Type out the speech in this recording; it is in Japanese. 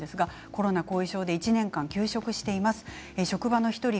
コロナ後遺症で１年間休職しています。